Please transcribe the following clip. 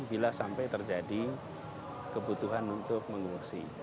bila sampai terjadi kebutuhan untuk mengungsi